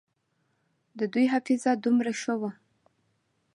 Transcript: د دوى حافظه دومره ښه وه.